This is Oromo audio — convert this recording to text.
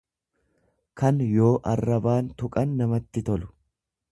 kan yoo arrabaan tuqan namatti tolu.